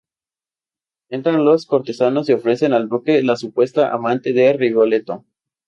Entran los cortesanos y ofrecen al duque la supuesta amante de Rigoletto.